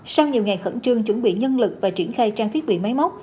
sau nhiều ngày khẩn trương chuẩn bị nhân lực và triển khai trang thiết bị máy móc